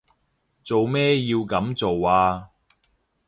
做咩要噉做啊？